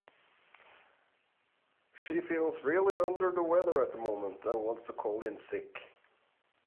She feels really under the weather at the moment and wants to call in sick.